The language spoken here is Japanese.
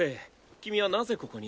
君はなぜここに？